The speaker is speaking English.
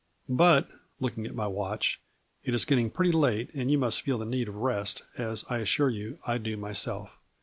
But," looking at my watch, " it is getting pretty late and you must feel the need of rest, as, I assure you, I do myself.